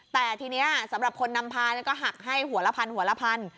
แต่ทีนี้สำหรับคนนำพาก็หักให้หัวละพันหัวละพัน